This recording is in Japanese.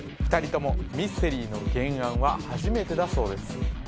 ２人ともミステリーの原案は初めてだそうです。